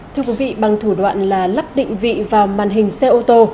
thưa quý vị bằng thủ đoạn là lắp định vị vào màn hình xe ô tô